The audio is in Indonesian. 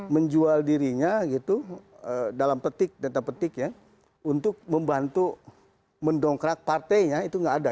menjual dirinya gitu dalam petik data petik ya untuk membantu mendongkrak partainya itu nggak ada